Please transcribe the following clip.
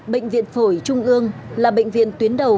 bệnh viện phổi trung ương là bệnh viện tuyến đầu